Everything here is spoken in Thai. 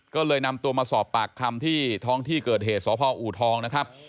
ก็เลยนำตัวมาสอบปากคำที่ท้องที่เกิดเหตุสพอูทองนะครับ